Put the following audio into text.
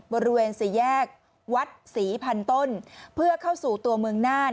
บริเวณสี่แยกวัดศรีพันต้นเพื่อเข้าสู่ตัวเมืองน่าน